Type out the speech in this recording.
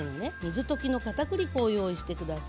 水溶きのかたくり粉を用意して下さい。